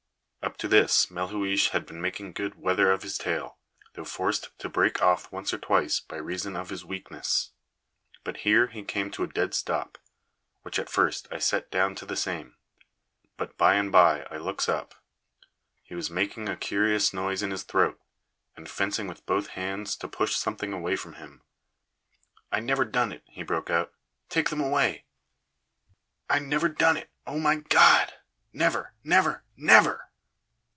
Up to this Melhuish had been making good weather of his tale, though forced to break off once or twice by reason of his weakness. But here he came to a dead stop, which at first I set down to the same. But by and by I looks up. He was making a curious noise in his throat, and fencing with both hands to push something away from him. "I never done it!" he broke out. "Take them away! I never done it! Oh, my God! never never never!"